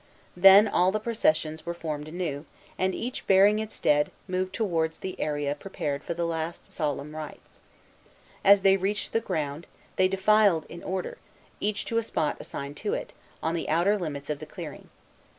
Then all the processions were formed anew, and, each bearing its dead, moved towards the area prepared for the last solemn rites. As they reached the ground, they defiled in order, each to a spot assigned to it, on the outer limits of the clearing.